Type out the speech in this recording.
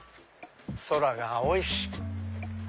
空が青いし。